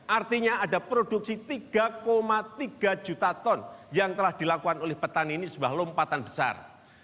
artinya ada produksi tiga tiga juta ton yang telah dilakukan oleh petani ini sebuah lompatan besar